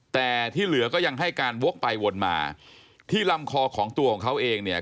แต่ที่เหลือก็ยังให้การวกไปวนมาที่ลำคอของตัวของเขาเองเนี่ย